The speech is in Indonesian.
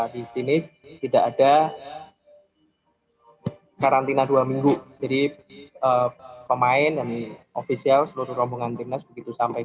di sini tidak ada karantina dua minggu jadi pemain dan ofisial seluruh rombongan timnas begitu sampai